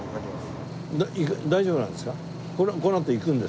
大丈夫なんですか？